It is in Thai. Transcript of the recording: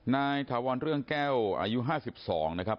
นายถาวรเรื่องแก้วอายุ๕๒นะครับ